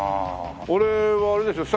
俺はあれでしょ？